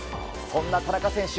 そんな田中選手